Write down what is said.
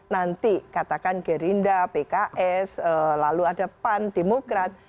nanti katakan gerinda pks lalu ada pan demokrat